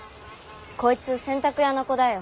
こいつ洗濯屋の子だよ。